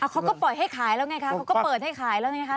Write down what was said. เขาก็ปล่อยให้ขายแล้วไงคะเขาก็เปิดให้ขายแล้วไงคะ